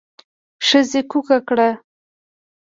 ښځې کوکه کړه.